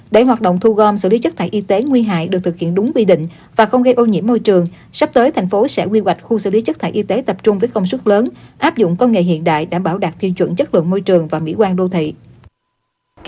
để hoạt động thu gom xử lý chất thải y tế nguy hại được thực hiện đúng quy định và không gây ô nhiễm môi trường sắp tới thành phố sẽ quy hoạch khu xử lý chất thải y tế tập trung với công suất lớn áp dụng công nghệ hiện đại đảm bảo đạt tiêu chuẩn chất lượng môi trường và mỹ quan đô thị